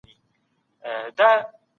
ملتونه کله د سوله ییز لاریون اجازه ورکوي؟